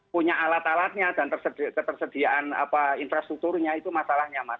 punya alat alatnya dan ketersediaan infrastrukturnya itu masalahnya mas